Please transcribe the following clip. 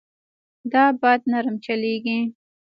دا باد نرم چلېږي.